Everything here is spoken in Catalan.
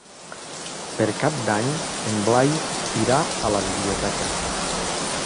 Per Cap d'Any en Blai irà a la biblioteca.